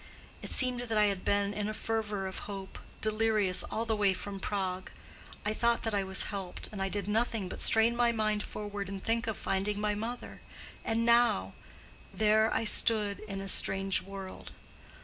It seemed that I had been in a fever of hope—delirious—all the way from Prague: I thought that I was helped, and I did nothing but strain my mind forward and think of finding my mother; and now—there I stood in a strange world.